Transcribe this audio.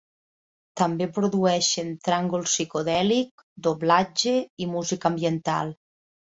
També produeixen tràngol psicodèlic, doblatge i música ambiental.